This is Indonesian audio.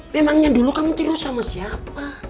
memangnya dulu kamu tidur sama siapa